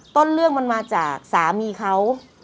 ต้นเรื่องมันมาจากสามีเขา